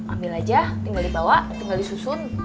ambil aja tinggal dibawa tinggal disusun